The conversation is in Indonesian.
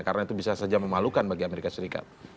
karena itu bisa saja memalukan bagi amerika serikat